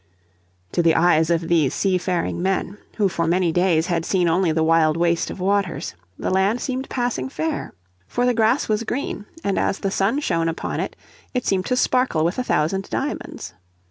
To the eyes of these sea faring men, who for many days had seen only the wild waste of waters, the land seemed passing fair. For the grass was green, and as the sun shone upon it seemed to sparkle with a thousand diamonds.